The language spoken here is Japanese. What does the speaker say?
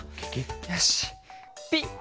よしピッ。